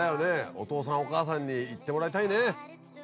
お父さんお母さんに行ってもらいたいね。